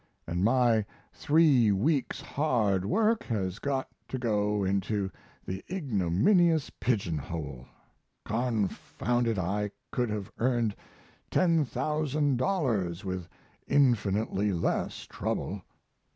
And my three weeks' hard work has got to go into the ignominious pigeonhole. Confound it, I could have earned ten thousand dollars with infinitely less trouble.